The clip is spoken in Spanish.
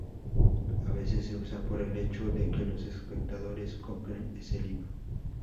A veces se usa por el hecho de que los espectadores compren ese libro.